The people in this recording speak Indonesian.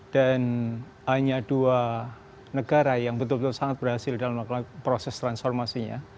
dan hanya dua negara yang betul betul sangat berhasil dalam proses transformasinya